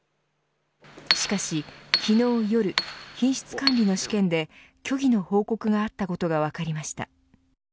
しかし、昨日夜品質管理の試験で虚偽の報告があったことが分かりました。